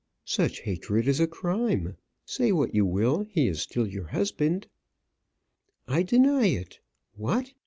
"Such hatred is a crime. Say what you will, he is still your husband." "I deny it. What!